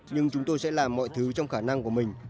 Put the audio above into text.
nhưng chúng tôi sẽ làm mọi thứ trong khả năng của mình